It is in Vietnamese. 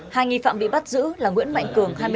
hai nghi phạm bị bắt giữ là nguyễn mạnh cường